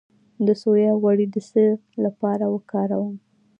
د سویا غوړي د څه لپاره وکاروم؟